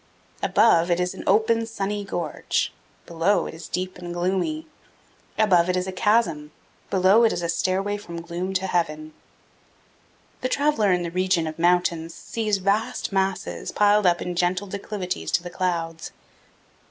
Above, it is an open, sunny gorge; below, it is deep and gloomy. Above, it is a chasm; below, it is a stairway from gloom to heaven. The traveler in the region of mountains sees vast masses piled up in gentle declivities to the clouds.